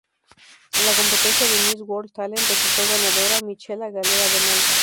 En la competencia de "Miss World Talent" resultó ganadora Michela Galea de Malta.